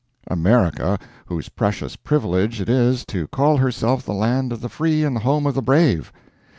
America, whose precious privilege it is to call herself the Land of the Free and the Home of the Brave.